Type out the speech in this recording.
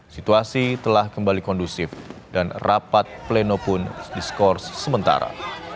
situasi telah kembali kondusif dan rapat pleno pun diskors sementara